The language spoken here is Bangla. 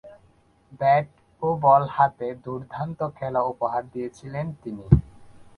ব্যাট ও বল হাতে দূর্দান্ত খেলা উপহার দিয়েছিলেন তিনি।